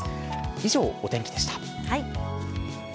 以上、お天気でした。